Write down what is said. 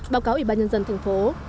báo cáo ủy ban nhân dân thành phố